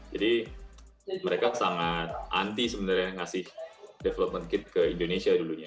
jadi mereka sangat anti sebenarnya ngasih development kit ke indonesia dulunya